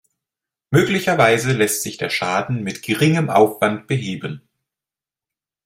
Möglicherweise lässt sich der Schaden mit geringem Aufwand beheben.